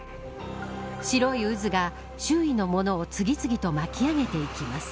白い渦が周囲のものを次々と巻き上げていきます。